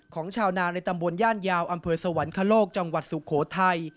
ของชาวนาในตำบลย่านยาวอำเภอสวรรคโลกจังหวัดสุโขทัย